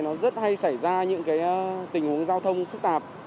nó rất hay xảy ra những tình huống giao thông phức tạp